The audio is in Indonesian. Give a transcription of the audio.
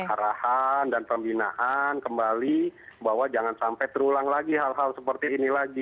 arahan dan pembinaan kembali bahwa jangan sampai terulang lagi hal hal seperti ini lagi